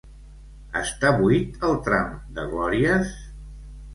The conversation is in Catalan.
Està buit el tram de Glòries?